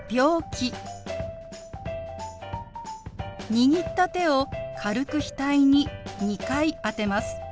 握った手を軽く額に２回当てます。